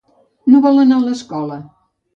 No vol anar a l'escola.